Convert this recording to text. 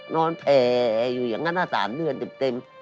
นอนแผลอยู่อย่างงั้นหน้า๓เดือนเด็บเต็ม